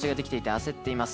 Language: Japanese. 焦っています。